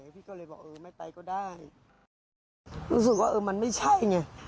พวกมันต้องกินกันพี่